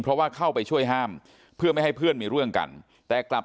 เพราะว่าเข้าไปช่วยห้ามเพื่อไม่ให้เพื่อนมีเรื่องกันแต่กลับ